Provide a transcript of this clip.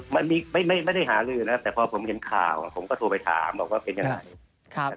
มันไม่ได้หาลือนะแต่พอผมเห็นข่าวผมก็โทรไปถามบอกว่าเป็นยังไง